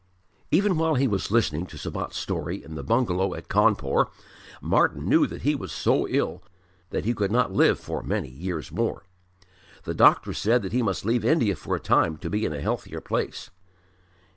Even while he was listening to Sabat's story in the bungalow at Cawnpore, Martyn knew that he was so ill that he could not live for many years more. The doctor said that he must leave India for a time to be in a healthier place.